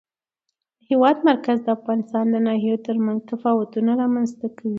د هېواد مرکز د افغانستان د ناحیو ترمنځ تفاوتونه رامنځته کوي.